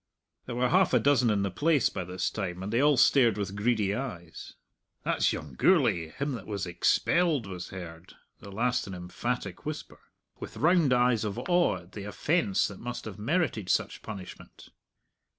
There were half a dozen in the place by this time, and they all stared with greedy eyes. "That's young Gourlay him that was expelled," was heard, the last an emphatic whisper, with round eyes of awe at the offence that must have merited such punishment.